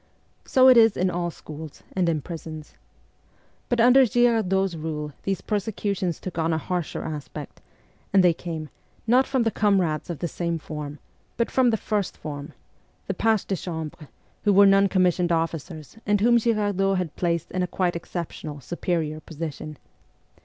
So it is in all schools and in prisons. But under Girardot's rule these persecutions took on a harsher aspect, and they came, not from the comrades of the same form, but from the first form the pages de chambre, who were non commissioned officers, and whom Girardot had placed in a quite exceptional, superior position.